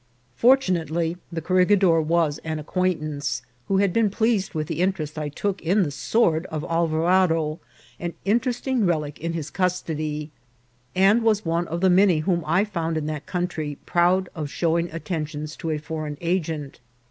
Fortunately, the corregidor was an acquaintance, who had been pleased with the interest I took in the sword of Alvarado, an interesting relic in his custody, and was one of the many whom I found in that coun try proud of showing attentions to a foreign agent.